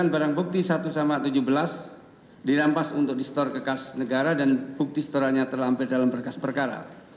barang bukti satu sampai tujuh belas dirampas untuk di store kekas negara dan bukti setoranya terlampir dalam bekas perkara